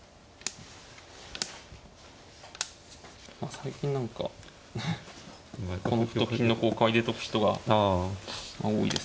最近何かこの歩と金の交換入れとく人が多いですよね。